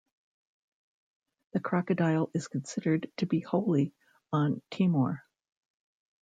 The crocodile is considered to be holy on Timor.